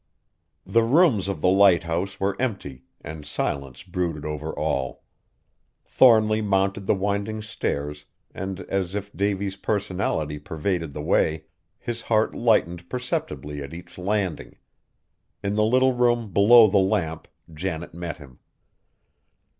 The rooms of the lighthouse were empty, and silence brooded over all. Thornly mounted the winding stairs and, as if Davy's personality pervaded the way, his heart lightened perceptibly at each landing. In the little room below the lamp, Janet met him.